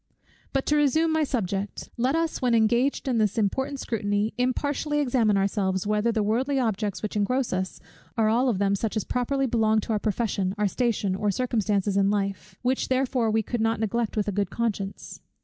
But to resume my subject; let us when engaged in this important scrutiny, impartially examine ourselves whether the worldly objects which engross us, are all of them such as properly belong to our profession, or station, or circumstances in life; which therefore we could not neglect with a good conscience?